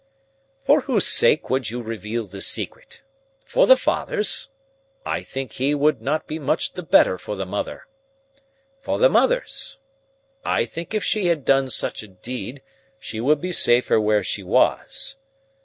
"For whose sake would you reveal the secret? For the father's? I think he would not be much the better for the mother. For the mother's? I think if she had done such a deed she would be safer where she was.